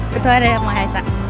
ketua dan maha esa